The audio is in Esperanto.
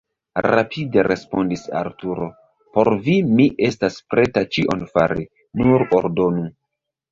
rapide respondis Arturo: por vi mi estas preta ĉion fari, nur ordonu!